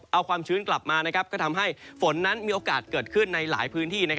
เอาความชื้นกลับมาก็ทำให้ฝนนั้นมีโอกาสเกิดขึ้นในหลายพื้นที่